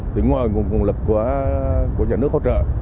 thì ngoài nguồn lực của nhà nước hỗ trợ